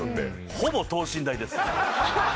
ほぼ等身大です。